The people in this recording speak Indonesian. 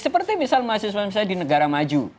seperti misal mahasiswa misalnya di negara maju